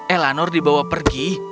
elanor dibawa pergi